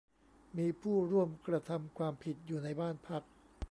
มีผู้ร่วมกระทำความผิดอยู่ในบ้านพัก